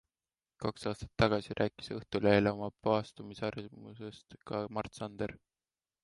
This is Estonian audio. Kaks aastat tagasi rääkis Õhtulehele oma paastumisharjumusest ka Mart Sander.